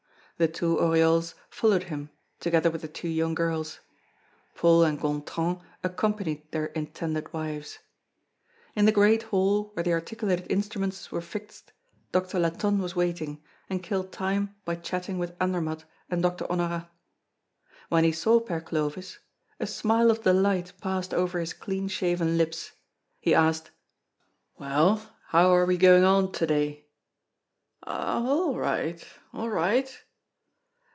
The two Oriols followed him, together with the two young girls. Paul and Gontran accompanied their intended wives. In the great hall where the articulated instruments were fixed, Doctor Latonne was waiting, and killed time by chatting with Andermatt and Doctor Honorat. When he saw Père Clovis, a smile of delight passed over his clean shaven lips. He asked: "Well! how are we going on to day?" "Oh! all right, all right."